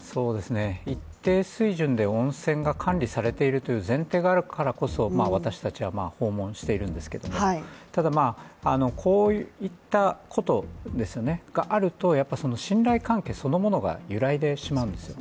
一定水準で温泉が管理されているという前提があるからこそ私たちは訪問しているんですけども、ただ、こういったことがあると信頼関係そのものが揺らいでしまうんですよね。